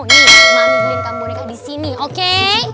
nih mami beliin kamu boneka di sini oke